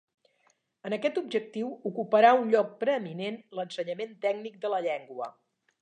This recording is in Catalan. En aquest objectiu ocuparà un lloc preeminent l'ensenyament tècnic de la llengua.